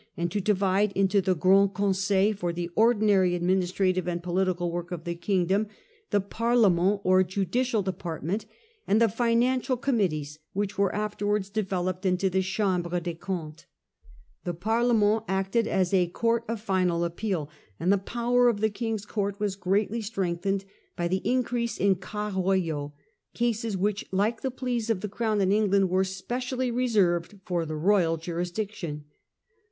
and to divide into the Grand Conseil, for the ordinary administrative and political work of the kingdom, the ParUment or judicial department, and the financial com mittees which were afterwards developed into the Chamhre des Comptes. The Parlement acted as a court of final appeal, and the power of the King's Court was greatly strengthened by the increase in cas royaux, cases which, like the "Pleas of the Crown " in England, were specially reserved for the royal jurisdiction.